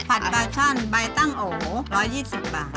ตันตราชันใบตั้งโอ๋๑๒๐บาท